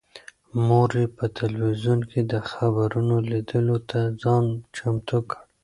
مور یې په تلویزون کې د خبرونو لیدلو ته ځان چمتو کړ.